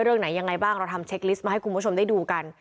เรื่องไหนยังไงบ้างเราทำเช็คลิสต์มาให้คุณผู้ชมได้ดูกัน